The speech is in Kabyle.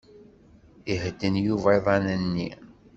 Ihedden Yuba iḍan-nni.